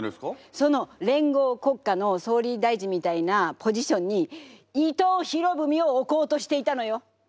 その連合国家の総理大臣みたいなポジションに伊藤博文を置こうとしていたのよ。